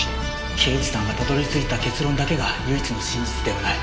刑事さんがたどり着いた結論だけが唯一の真実ではない。